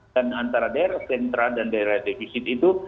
dan antara daerah sentra dan daerah defisit itu